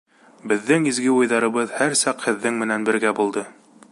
Беҙҙең изге уйҙарыбыҙ һәр саҡ һеҙҙең менән бергә булды.